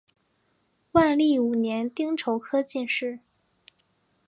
万历五年丁丑科进士。